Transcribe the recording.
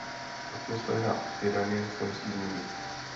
Atmosféra v Tiraně se musí změnit.